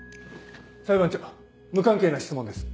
裁判長無関係な質問です。